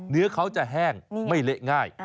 เนื้อเขาจะแห้งไม่เละง่าย